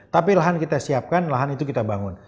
tapi lahan kita siapkan lahan itu kita bangun